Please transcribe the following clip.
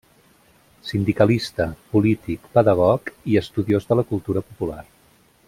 Sindicalista, polític, pedagog i estudiós de la cultura popular.